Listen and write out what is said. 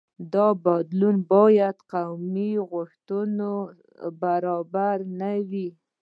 دا بدلون باید قومي غوښتنو لپاره نه وي.